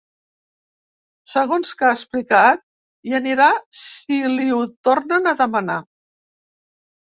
Segons que ha explicat, hi anirà si li ho tornen a demanar.